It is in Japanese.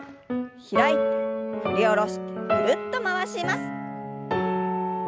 開いて振り下ろしてぐるっと回します。